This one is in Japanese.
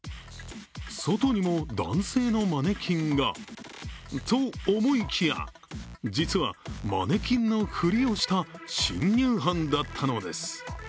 外にも男性のマネキンがと思いきや実はマネキンのふりをした侵入犯だったのです。